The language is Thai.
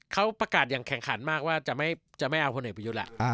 เขาประกาศอย่างแข่งขันมากว่าจะไม่เอาคนเหนือผู้ยุทธ์แหละ